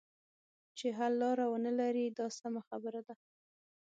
چې حل لاره ونه لري دا سمه خبره ده.